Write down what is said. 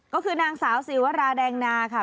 ก็คือนางสาวศิวราแดงนาค่ะ